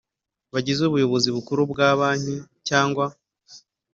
Bagize ubuyobozi bukuru bwa banki cyangwa